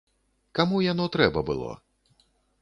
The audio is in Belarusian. Каму яно трэба было?